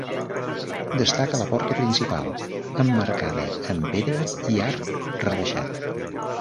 Destaca la porta principal, emmarcada amb pedra i arc rebaixat.